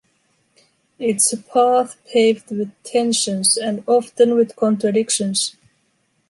It’s a path paved with tensions and often with contradictions.